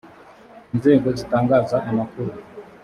inzego zitangaza amakuru